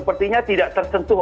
sepertinya tidak tersentuh